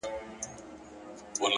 هره تجربه نوې پوهه زېږوي.!